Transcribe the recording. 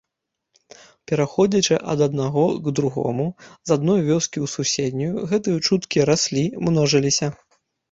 Пераходзячы ад аднаго к другому, з адной вёскі ў суседнюю, гэтыя чуткі раслі, множыліся.